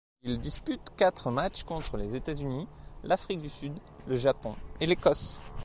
Il dispute quatre matchs contre les États-Unis, l'Afrique du Sud, le Japon et l'Écosse.